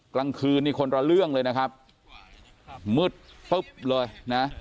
กลางคืนนี่คนละเรื่องเลยนะครับมืดปุ๊บเลยนะ